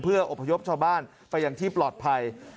เพื่ออบพยพชาวบ้านไปอย่างที่ปลอดภัย